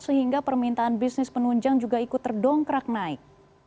sehingga permintaan bisnis penunjang juga ikut terdongkrak naik